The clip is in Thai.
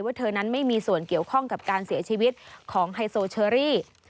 เธอนั้นไม่มีส่วนเกี่ยวข้องกับการเสียชีวิตของไฮโซเชอรี่